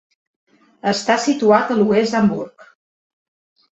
Està situat a l'oest d'Hamburg.